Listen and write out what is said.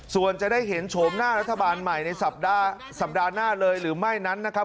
ส่วนจะได้เห็นโฉมหน้ารัฐบาลใหม่ในสัปดาห์หน้าเลยหรือไม่นั้นนะครับ